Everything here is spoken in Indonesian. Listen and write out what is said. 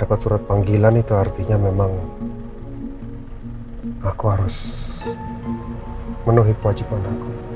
dapat surat panggilan itu artinya memang aku harus menuhi kewajiban aku